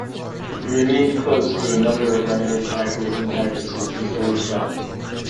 He remained close to a number of writers, actors and actresses until his death.